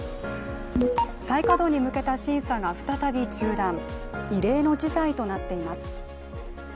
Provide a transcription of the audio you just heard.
再稼働に向けた審査が再び中断、異例の事態となっています。